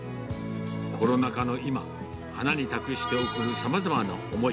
コロナ禍の今、花に託して贈るさまざまな思い。